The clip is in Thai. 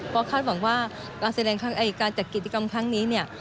ก็คาดหวังว่าการแสดงการจัดกิจกรรมครั้งนี้เนี่ย